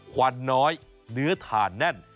ควันน้อยเนื้อถ่านแน่น